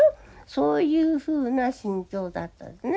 そういうふうな心境だったんですね